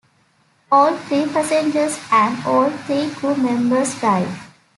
All three passengers and all three crew members died.